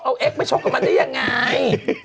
เอาเอ็กซไปชกกับมันได้ยังไง